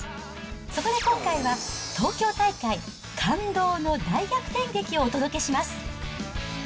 そこで今回は、東京大会感動の大逆転劇をお届けします。